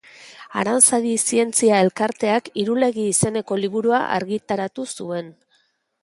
Aranzadi zientzia elkarteak Irulegi izeneko liburua argitaratu zuen